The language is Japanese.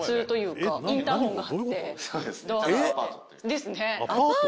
ですね。